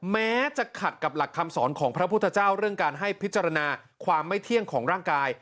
แม้จะขัดกับหลักคำสอนของพระพุทธเจ้าเรื่องการให้พิจารณาความไม่เที่ยงของร่างกาย